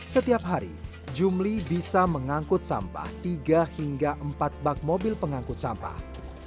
setiap hari jumli bisa mengangkut sampah tiga hingga empat bak mobil pengangkut sampah